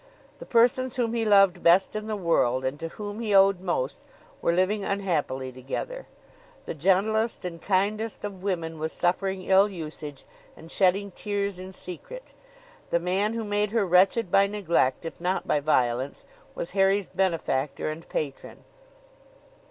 The persons whom he loved best in the world, and to whom he owed most, were living unhappily together. The gentlest and kindest of women was suffering ill usage and shedding tears in secret: the man who made her wretched by neglect, if not by violence, was Harry's benefactor and patron.